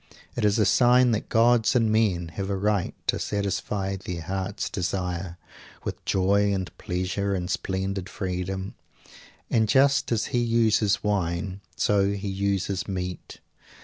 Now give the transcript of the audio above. It is a sign that gods and men have a right to satisfy their hearts desire, with joy and pleasure and splendid freedom. And just as he uses wine, so he uses meat.